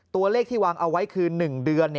ตัวเลขที่วางเอาไว้คือ๑เดือน